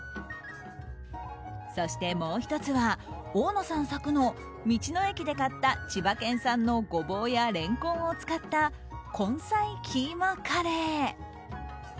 そして、もう１つは大野さん作の道の駅で買った千葉県産のゴボウやレンコンを使った根菜キーマカレー。